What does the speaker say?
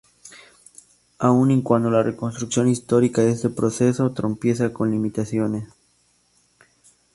Aun y cuando la reconstrucción histórica de este proceso "tropieza con limitaciones".